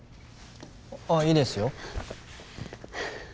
ああいいですよ。